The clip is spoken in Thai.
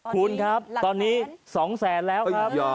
คุณครับตอนนี้๒แสนแล้วครับ